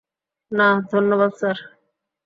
না, ধন্যবাদ, স্যার।